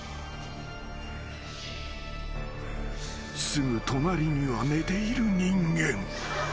［すぐ隣には寝ている人間］